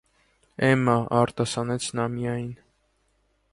- Էմմա,- արտասանեց նա միայն: